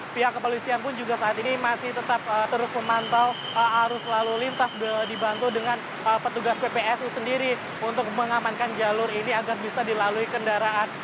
pihak kepolisian pun juga saat ini masih tetap terus memantau arus lalu lintas dibantu dengan petugas ppsu sendiri untuk mengamankan jalur ini agar bisa dilalui kendaraan